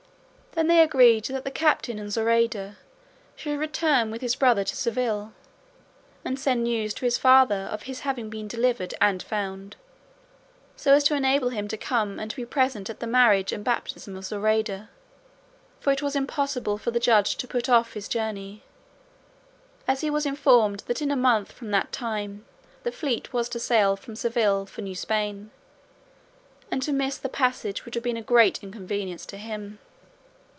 Then they agreed that the captain and Zoraida should return with his brother to Seville, and send news to his father of his having been delivered and found, so as to enable him to come and be present at the marriage and baptism of Zoraida, for it was impossible for the Judge to put off his journey, as he was informed that in a month from that time the fleet was to sail from Seville for New Spain, and to miss the passage would have been a great inconvenience to him.